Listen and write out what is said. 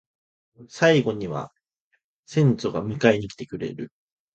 最期には先祖が迎えに来てくれる